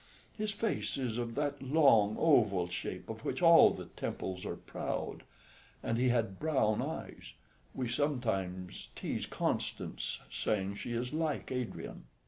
His face is of that long oval shape of which all the Temples are proud, and he had brown eyes: we sometimes tease Constance, saying she is like Adrian."